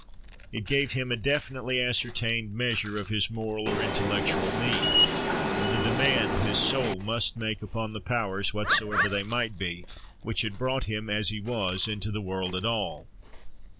It gave him a definitely ascertained measure of his moral or intellectual need, of the demand his soul must make upon the powers, whatsoever they might be, which had brought him, as he was, into the world at all.